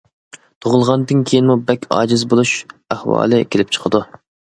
تۇغۇلغاندىن كېيىنمۇ بەك ئاجىز بولۇش ئەھۋالى كېلىپ چىقىدۇ.